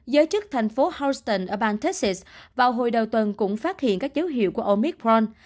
giới chức thành phố houston ở bang tex vào hồi đầu tuần cũng phát hiện các dấu hiệu của omithron